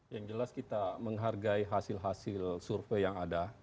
yang jelas kita menghargai hasil hasil survei yang ada